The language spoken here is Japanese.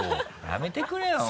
やめてくれよお前。